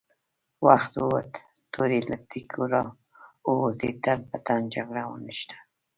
وخت ووت، تورې له تېکو را ووتې، تن په تن جګړه ونښته!